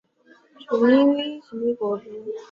初时名为冈山新田藩。